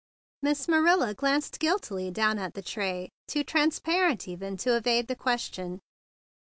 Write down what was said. Miss Marilla glanced guiltily down at the tray, too transparent even to evade the question.